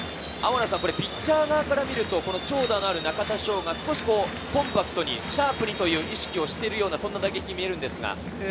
ピッチャー側から見ると中田翔がコンパクトに、シャープにという意識をしている打席に見えるんですが。